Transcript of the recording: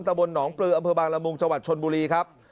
บนหนองปลืออำเภอบางละมุงจังหวัดชนบุรีครับ